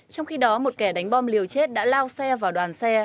trong khi đó một kẻ đánh bom liều chết đã lao xe vào đoàn xe